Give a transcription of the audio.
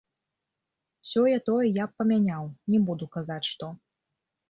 Сёе-тое я б памяняў, не буду казаць, што.